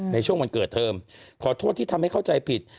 ในช่วงวันเกิดเทอมขอโทษที่ทำให้เข้าใจผิด